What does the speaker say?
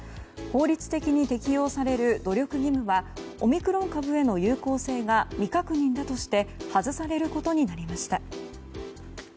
法律的に適用される努力義務はオミクロン株への有効性が未確認だとして外されることになりました。